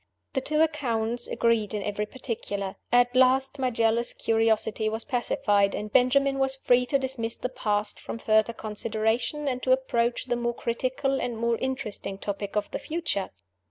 The two accounts agreed in every particular. At last my jealous curiosity was pacified; and Benjamin was free to dismiss the past from further consideration, and to approach the more critical and more interesting topic of the future.